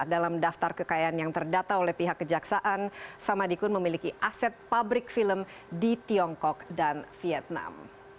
dalam daftar kekayaan yang terdata oleh pihak kejaksaan samadikun memiliki aset pabrik film di tiongkok dan vietnam